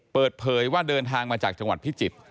เปิดเผยว่าเดินทางมาจากจังหวัดพิจิตร